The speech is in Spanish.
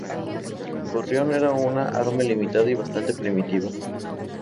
Gorrión era un arma limitada y bastante primitiva.